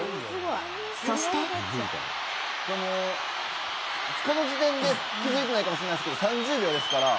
そしてこの時点で気づいてないかもしれないけど３０秒ですから。